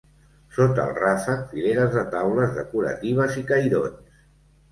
Sota el ràfec, fileres de teules decoratives i cairons.